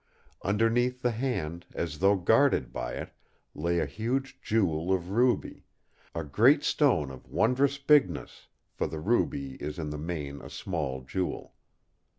Underneath the hand, as though guarded by it, lay a huge jewel of ruby; a great stone of wondrous bigness, for the ruby is in the main a small jewel.